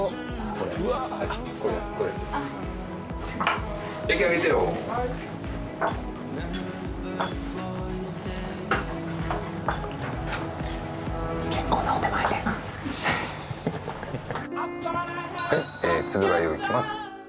これつぶ貝をいきます